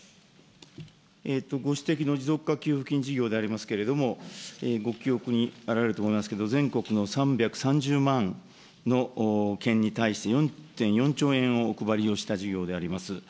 ご指摘の持続化給付金事業でありますけれども、ご記憶にあられると思いますけれども、全国の３３０万の件に対して、４．４兆円をお配りした事業でございます。